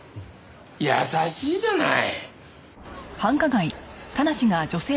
優しいじゃない！